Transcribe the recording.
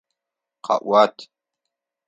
Къэӏуат!